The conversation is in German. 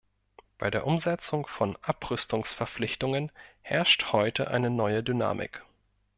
Bei der Umsetzung von Abrüstungsverpflichtungen herrscht heute eine neue Dynamik.